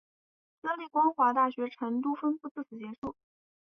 私立光华大学成都分部自此结束。